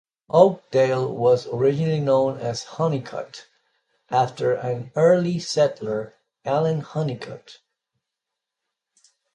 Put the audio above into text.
Oakdale was originally known as "Honeycutt" after an early settler, Allen Honeycutt.